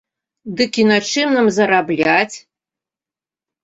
Дык і на чым нам зарабляць?